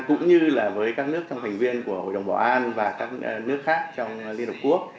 cũng như là với các nước trong thành viên của hội đồng bảo an và các nước khác trong liên hợp quốc